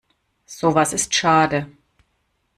Sowas ist schade.